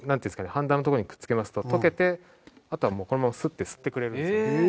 はんだのとこにくっ付けますと溶けてあとはもうこのままスッて吸ってくれるんですよね。